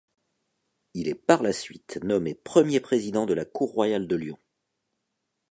Il est par la suite nommé premier président de la Cour royale de Lyon.